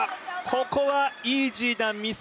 ここは、イージーなミス。